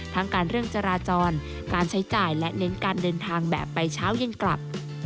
ทั้งการเรื่องจราจรการใช้จ่ายและเน้นการเดินทางแบบไปเช้าเย็นกลับ